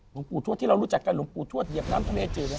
หลวงปู่ทวดที่เรารู้จักกันหลวงปู่ทวดเหยียบน้ำทะเลจืดเนี่ย